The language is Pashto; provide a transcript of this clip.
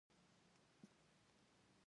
د عقب ښيښې دېوالونو يوړې.